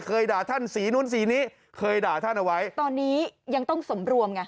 ด่าท่านสีนู้นสีนี้เคยด่าท่านเอาไว้ตอนนี้ยังต้องสมรวมไง